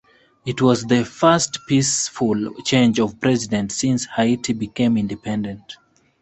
It was the first peaceful change of president since Haiti became independent.